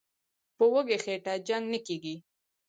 "په وږي خېټه جنګ نه کېږي".